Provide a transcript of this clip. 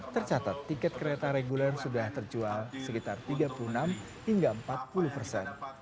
tercatat tiket kereta reguler sudah terjual sekitar tiga puluh enam hingga empat puluh persen